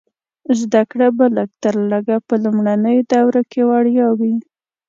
زده کړه به لږ تر لږه په لومړنیو دورو کې وړیا وي.